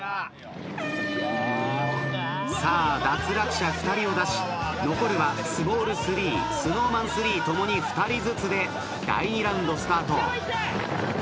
さあ脱落者２人を出し残るはスモール３ＳｎｏｗＭａｎ３共に２人ずつで第２ラウンドスタート。